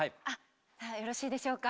よろしいでしょうか？